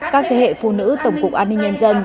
các thế hệ phụ nữ tổng cục an ninh nhân dân